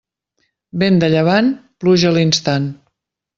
Vent de llevant, pluja a l'instant.